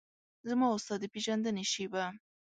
زما او ستا د پیژندنې شیبه